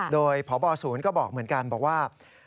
โดยพบศูนย์ก็บอกเหมือนกันบอกว่า